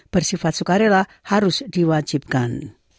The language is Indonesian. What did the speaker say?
bersifat sukarela harus diwajibkan